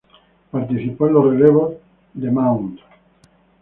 Participó en los Relevos de Mount.